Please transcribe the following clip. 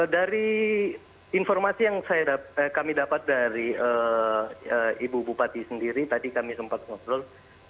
dari informasi yang kami dapat dari ibu bupati sendiri tadi kami sempat ngobrol